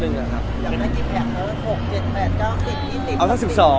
อ๋อน้องมีหลายคน